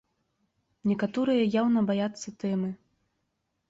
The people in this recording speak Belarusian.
Некаторыя яўна баяцца тэмы.